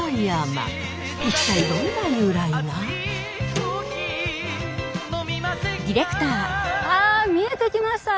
一体ああ見えてきました！